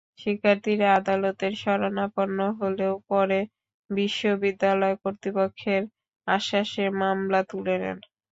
শিক্ষার্থীরা আদালতের শরণাপন্ন হলেও পরে বিশ্ববিদ্যালয় কর্তৃপক্ষের আশ্বাসে মামলা তুলে নেন।